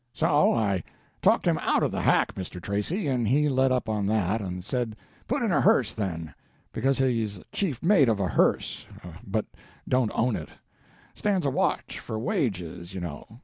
"So I talked him out of the hack, Mr. Tracy, and he let up on that, and said put in a hearse, then—because he's chief mate of a hearse but don't own it—stands a watch for wages, you know.